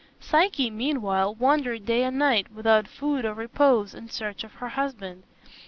Psyche meanwhile wandered day and night, without food or repose, in search of her husband.